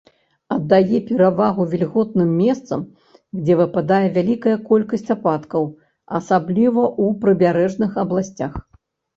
Аддае перавагу вільготным месцам, дзе выпадае вялікая колькасць ападкаў, асабліва ў прыбярэжных абласцях.